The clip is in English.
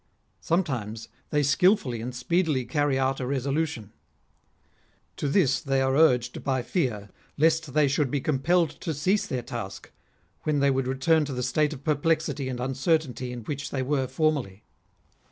Sometimes they skilfully and speedily carry out a resolution. To this they are urged by fear lest they should be compelled to cease their task, when they would return to the state of perplexity and uncertainty in which they were formerly.